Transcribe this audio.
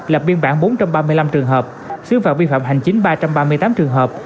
lập biên bản bốn trăm ba mươi năm trường hợp xứ phạt vi phạm hành chính ba trăm ba mươi tám trường hợp